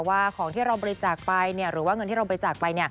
ว่าของที่เราบริจาคไปหรือว่าเงินที่เราบริจาคไป